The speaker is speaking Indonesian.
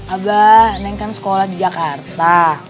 abah neng kan sekolah di jakarta